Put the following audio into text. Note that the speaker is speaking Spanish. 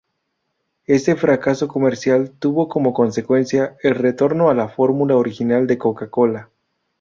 Este fracaso comercial tuvo como consecuencia el retorno a la fórmula original de Coca-Cola.